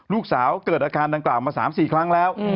เกิดอาการดังกล่าวมา๓๔ครั้งแล้ว